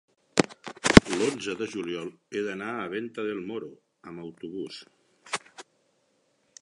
L'onze de juliol he d'anar a Venta del Moro amb autobús.